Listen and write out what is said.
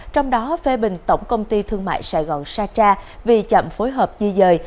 trong đó phê bình tổng công ty thương mại sài gòn sacha vì chậm phối hợp di dời